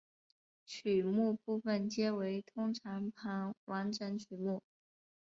曲目部分皆为通常盘完整曲目。